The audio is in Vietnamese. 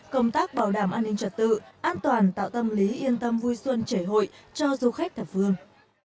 công tác bảo đảm an ninh trật tự an toàn tạo tâm lý yên tâm vui xuân trẻ hội cho du khách thật vương